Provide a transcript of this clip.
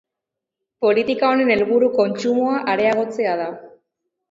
Politika honen helburua kontsumoa areagotzea da.